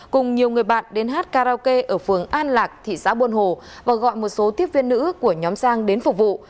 cùng nhiều người bạn đến hát karaoke ở phường an lạc thị xã buôn hồ và gọi một số tiếp viên nữ của nhóm sang đến phục vụ